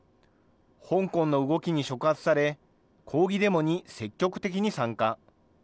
香港の動きに触発され、抗議デモに積極的に参加。